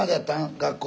学校。